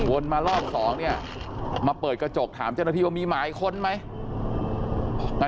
มารอบสองเนี่ยมาเปิดกระจกถามเจ้าหน้าที่ว่ามีหมายค้นไหม